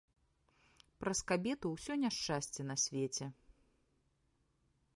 Праз кабету ўсё няшчасце на свеце.